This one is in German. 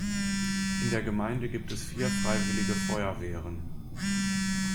In der Gemeinde gibt es vier Freiwillige Feuerwehren.